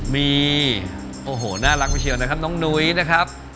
มีโอ้โหน่ารักไปเชียวนะครับน้องนุ้ยนะครับ